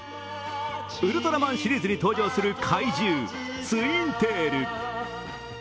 ウルトラマンシリーズに登場する怪獣、ツインテール。